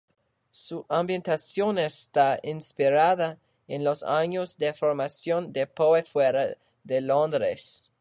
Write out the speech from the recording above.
Su ambientación está inspirada en los años de formación de Poe fuera de Londres.